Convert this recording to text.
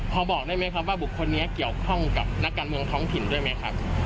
พอบอกได้ไหมครับว่าบุคคลนี้เกี่ยวข้องกับนักการเมืองท้องถิ่นด้วยไหมครับ